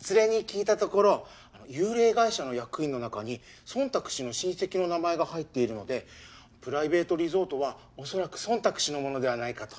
ツレに聞いたところ幽霊会社の役員の中にソンタク氏の親戚の名前が入っているのでプライベートリゾートはおそらくソンタク氏のものではないかと。